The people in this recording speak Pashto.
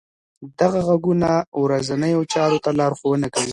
دغه غږونه ورځنیو چارو ته لارښوونه کوي.